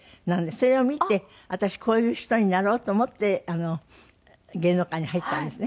それを見て私こういう人になろうと思って芸能界に入ったんですね。